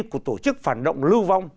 của tổ chức phản động lưu vong